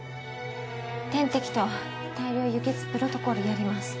点滴と大量輸血プロトコルやります